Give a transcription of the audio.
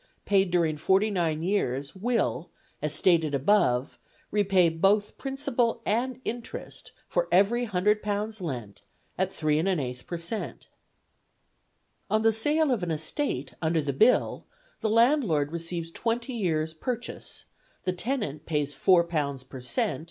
paid during forty nine years will, as has been stated above, repay both principal and interest for every £100 lent at 3 1/8 per cent. On the sale of an estate under the Bill, the landlord receives twenty years' purchase; the tenant pays £4 per cent.